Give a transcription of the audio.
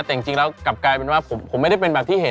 แต่จริงแล้วกลับกลายเป็นว่าผมไม่ได้เป็นแบบที่เห็น